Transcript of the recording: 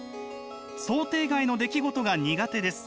「想定外の出来事が苦手です。